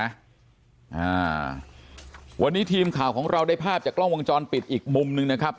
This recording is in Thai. อ่าวันนี้ทีมข่าวของเราได้ภาพจากกล้องวงจรปิดอีกมุมหนึ่งนะครับ